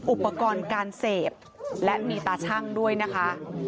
อุปกรณ์การเสพและมีตาชั่งด้วยนะคะ